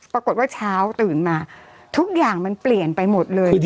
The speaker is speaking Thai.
ปรากฏว่าเช้าตื่นมาทุกอย่างมันเปลี่ยนไปหมดเลย